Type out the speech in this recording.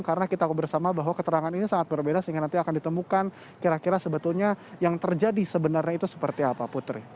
karena kita bersama bahwa keterangan ini sangat berbeda sehingga nanti akan ditemukan kira kira sebetulnya yang terjadi sebenarnya itu seperti apa putri